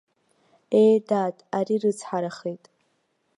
Ее, дад, ари рыцҳарахеит.